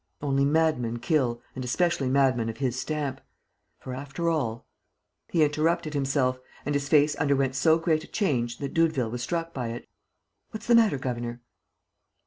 Only madmen kill and especially madmen of his stamp. For, after all ..." He interrupted himself; and his face underwent so great a change that Doudeville was struck by it: "What's the matter, governor?"